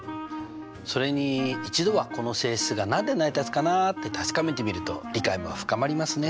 それに一度はこの性質が何で成り立つかなって確かめてみると理解も深まりますね。